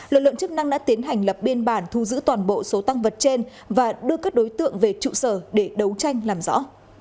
lực lượng chức năng đã tiến hành lập biên bản thu giữ toàn bộ số tăng vật trên và đưa các đối tượng về trụ sở để đấu tranh làm rõ